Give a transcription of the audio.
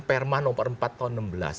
perma nomor empat tahun dua ribu enam belas